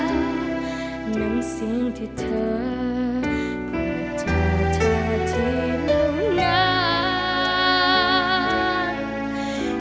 เหมือนสิ่งที่เธอพูดถึงเธอที่เหล่านาน